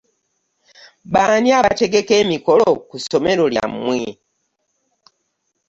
Baani abategeka emikolo ku ssomero lyammwe.